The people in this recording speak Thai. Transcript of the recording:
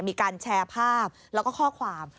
มีการแชร์ภาพแล้วก็ข้อความ